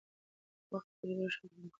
وخت په تېرېدو شات هم خرابیږي.